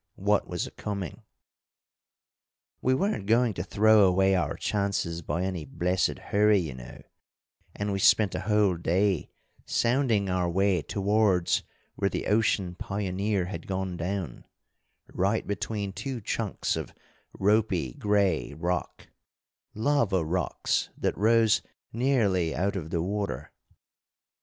what was a coming. "We weren't going to throw away our chances by any blessed hurry, you know, and we spent a whole day sounding our way towards where the Ocean Pioneer had gone down, right between two chunks of ropy grey rock lava rocks that rose nearly out of the water.